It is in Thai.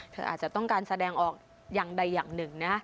อาจจะต้องการแสดงออกอย่างใดอย่างหนึ่งนะ